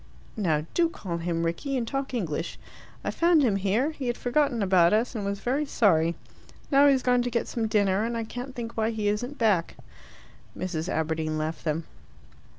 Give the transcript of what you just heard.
"Now, do call him Rickie, and talk English. I found him here. He had forgotten about us, and was very sorry. Now he's gone to get some dinner, and I can't think why he isn't back." Mrs. Aberdeen left them.